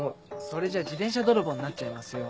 それじゃ自転車泥棒になっちゃいますよ。